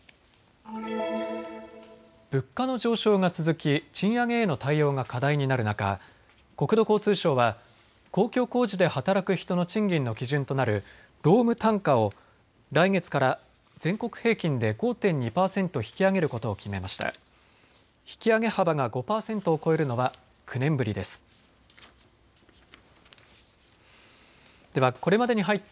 物価の上昇が続き賃上げへの対応が課題になる中、国土交通省は公共工事で働く人の賃金の基準となる労務単価を来月から全国平均で５．２％引き上げることを決めました。